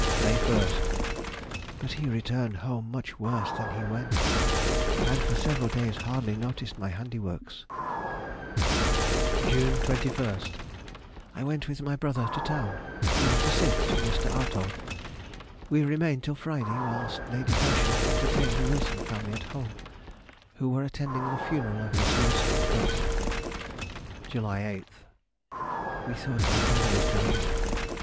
May 1st.—But he returned home much worse than he went, and for several days hardly noticed my handiworks. June 21st.—I went with my brother to town. He was to sit to Mr. Artaud. We remained till Friday, whilst Lady Herschel entertained the Wilson family at home, who were attending the funeral of Miss Wilson at Upton. July 8th.—We thought my brother was dying.